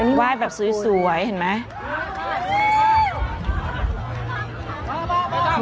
นู้นว่าแบบสวยเห็นไหม